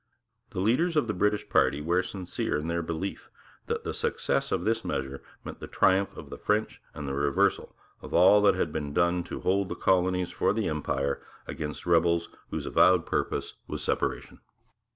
The leaders of the British party were sincere in their belief that the success of this measure meant the triumph of the French and the reversal of all that had been done to hold the colonies for the Empire against rebels whose avowed purpose was separation.